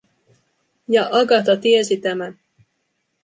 Ja Agatha tiesi tämän.